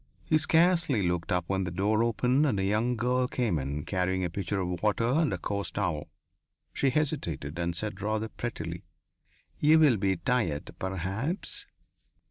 He scarcely looked up when the door opened and a young girl came in, carrying a pitcher of water and a coarse towel. She hesitated and said rather prettily: "You'll be tired, perhaps?"